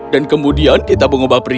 dan kemudian kita mengubah pria itu henry